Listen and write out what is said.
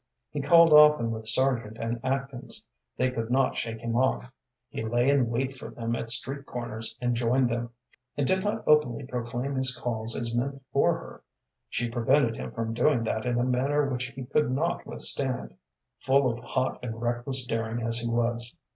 He called often with Sargent and Atkins. They could not shake him off. He lay in wait for them at street corners, and joined them. He never saw Ellen alone, and did not openly proclaim his calls as meant for her. She prevented him from doing that in a manner which he could not withstand, full of hot and reckless daring as he was.